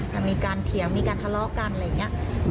จะมีการเถียงมีการทะเลาะกันอะไรอย่างนี้